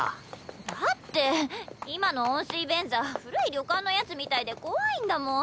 だって今の温水便座古い旅館のやつみたいで怖いんだもん。